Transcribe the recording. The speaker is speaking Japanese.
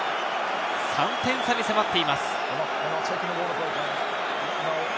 ３点差に迫っています。